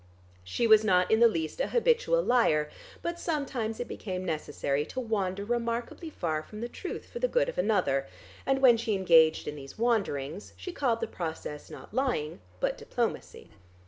She was not in the least an habitual liar, but sometimes it became necessary to wander remarkably far from the truth for the good of another, and when she engaged in these wanderings, she called the process not lying, but diplomacy.